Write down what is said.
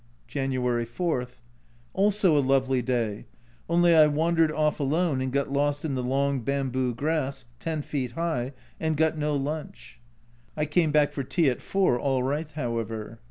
January 4. Also a lovely day, only I wandered off alone and got lost in the long bamboo grass, 10 feet high, and got no lunch. I came back for tea at 4 all right, however.